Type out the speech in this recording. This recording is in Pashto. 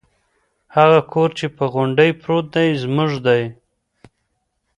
هغه کور چې په غونډۍ پروت دی زموږ دی.